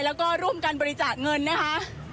แล้วก็ร่วมกันบริจาคเงินนะคะ